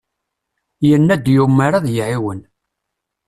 Yenna-d yumer ad iɛiwen.